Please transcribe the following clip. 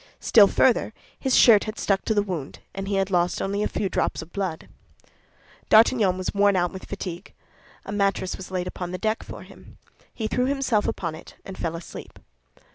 Still further, his shirt had stuck to the wound, and he had lost only a few drops of blood. D'Artagnan was worn out with fatigue. A mattress was laid upon the deck for him. He threw himself upon it, and fell asleep.